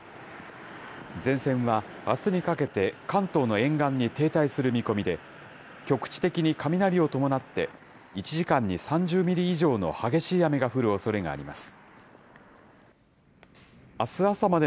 前線はあすにかけて関東の沿岸に停滞する見込みで、局地的に雷を伴って、１時間に３０ミリ以上の激しい雨が降るおそれがあります。